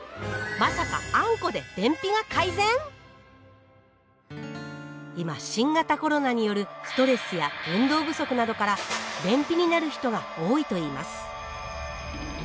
まさか今新型コロナによるストレスや運動不足などから便秘になる人が多いといいます。